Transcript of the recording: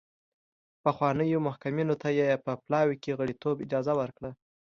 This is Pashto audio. پخوانیو محکومینو ته یې په پلاوي کې غړیتوب اجازه ورکړه.